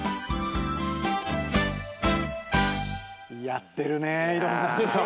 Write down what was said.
やってるねいろんなこと。